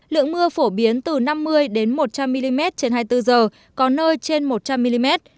lượng mưa phổ biến từ năm mươi một trăm linh mm trên hai mươi bốn h có nơi trên một trăm linh mm